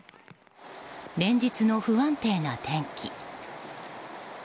連日の不安定な天気。